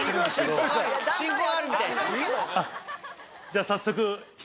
じゃ早速。